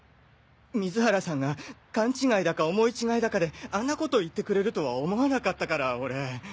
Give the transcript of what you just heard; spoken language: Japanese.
水原さんが勘違いだか思い違いだかであんなこと言ってくれるとは思わなかったから俺。